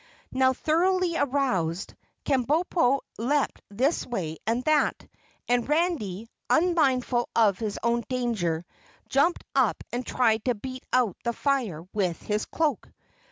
Now thoroughly aroused, Kabumpo leapt this way and that, and Randy, unmindful of his own danger, jumped up and tried to beat out the fire with his cloak.